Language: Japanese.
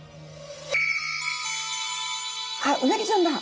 あっうなぎちゃんだ！